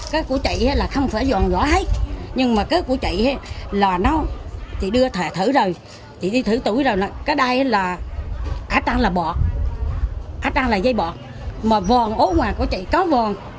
cái của chị là không phải giòn rõ hết nhưng mà cái của chị là nó chị đưa thẻ thử rồi chị đi thử tủi rồi cái đây là ả trang là bọt ả trang là dây bọt mà vòn ố hoà của chị có vòn